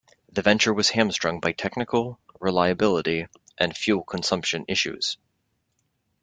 The venture was hamstrung by technical, reliability, and fuel consumption issues.